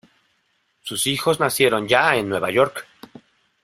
Sus hijos nacieron ya en Nueva York.